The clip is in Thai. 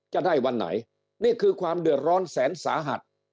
จะได้วันไหนนี่คือความเดือดร้อนแสนสาหัส